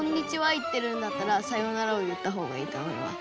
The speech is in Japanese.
言ってるんだったら「さようなら」を言った方がいいと思います。